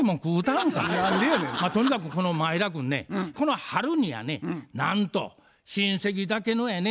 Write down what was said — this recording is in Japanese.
とにかくこの前田君ねこの春にやねなんと親戚だけのやね